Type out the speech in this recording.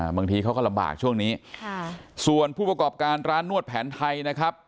บางทีเขาก็ลำบากช่วงนี้ส่วนผู้ประกอบการร้านนวดแผนไทยนะครับ